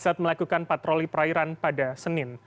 saat melakukan patroli perairan pada senin